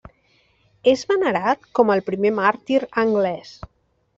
És venerat com al primer màrtir anglès.